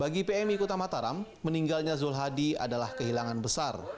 bagi pmi kota mataram meninggalnya zul hadi adalah kehilangan besar